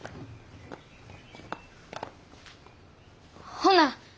ほな